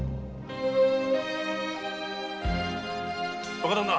若旦那